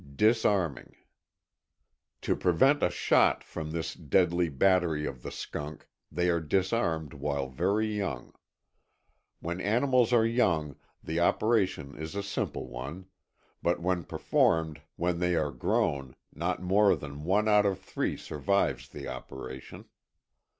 21.ŌĆöDisarming. To prevent a shot from this deadly battery of the skunk they are disarmed while very young. When animals are young the operation is a simple one; but when performed when they are grown not more than one out of three survives the operation.